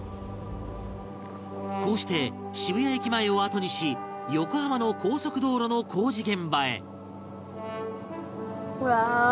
こうして渋谷駅前をあとにし横浜の高速道路の工事現場へ